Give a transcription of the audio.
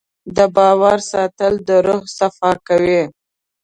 د باور ساتل د روح صفا کوي.